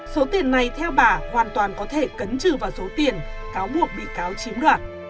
số tiền này theo bà hoàn toàn có thể cấn trừ vào số tiền cáo buộc bị cáo chiếm đoạt